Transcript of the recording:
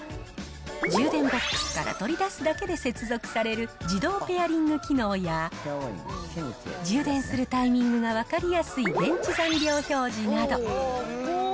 充電ボックスから取り出すだけで接続される、自動ペアリング機能や、充電するタイミングが分かりやすい電池残量表示など。